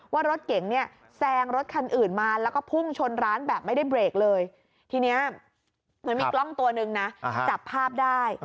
ว่ารถเก๋งเนี่ยแซงรถคันอื่นมาแล้วก็พุ่งชนร้านแบบไม่ได้เบรกเลยทีนี้มันมีกล้องตัวหนึ่งนะจับภาพได้